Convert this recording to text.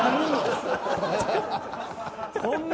そんな。